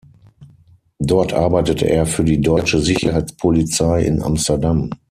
Dort arbeitete er für die deutsche Sicherheitspolizei in Amsterdam.